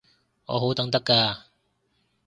我好等得㗎